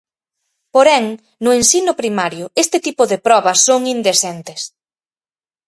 Porén, no ensino primario este tipo de probas son indecentes.